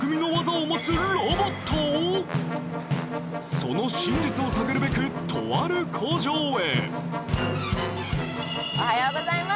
その真実を探るべく、とある工場へ。